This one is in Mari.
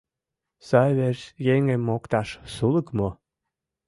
Сай верч еҥым мокташ сулык мо?